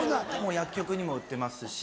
薬局にも売ってますし。